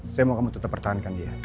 saya mau kamu tetap pertahankan dia